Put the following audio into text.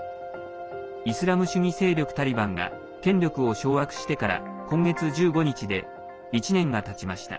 イスラム主義勢力タリバンが権力を掌握してから今月１５日で１年がたちました。